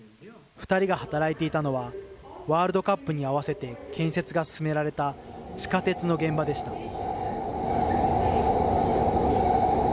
２人が働いていたのは、ワールドカップに合わせて建設が進められた地下鉄の現場でした。